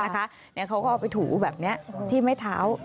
เขาก็เอาไปถูแบบนี้ที่ไม้เท้า